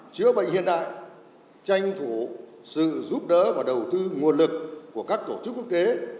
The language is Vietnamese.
chữa bệnh hiện đại tranh thủ sự giúp đỡ và đầu tư nguồn lực của các tổ chức quốc tế